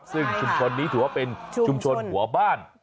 ซึ่งชุมชนนี้ถือว่าเป็นชุมชนหัวบ้าน